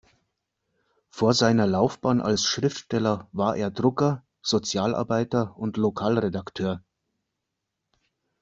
Vor seiner Laufbahn als Schriftsteller war er Drucker, Sozialarbeiter und Lokalredakteur.